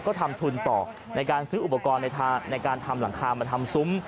ก็ทำทุนต่อในการซื้ออุปกรณ์ในการทำหลังคามาทำซุ้ม